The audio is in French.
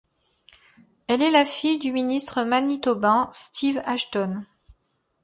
Elle est la fille du ministre manitobain Steve Ashton.